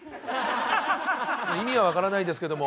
意味は分からないですけども